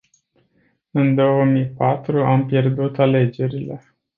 În două mii patru am pierdut alegerile.